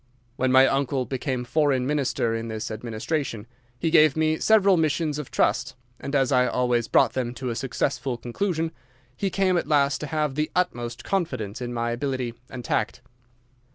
When my uncle became foreign minister in this administration he gave me several missions of trust, and as I always brought them to a successful conclusion, he came at last to have the utmost confidence in my ability and tact.